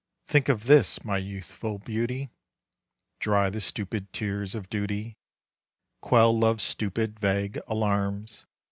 Think of this, my youthful beauty, Dry the stupid tears of duty, Quell love's stupid, vague alarms.